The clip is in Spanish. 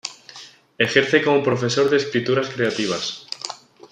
Ejerce como profesor de escrituras creativas.